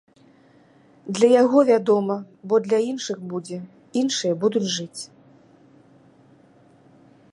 Для яго, вядома, бо для іншых будзе, іншыя будуць жыць.